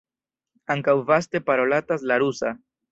Ankaŭ vaste parolatas la rusa.